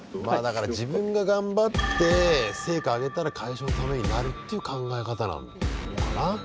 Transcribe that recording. まあだから自分が頑張って成果あげたら会社のためになるっていう考え方なのかな。